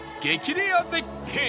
レア絶景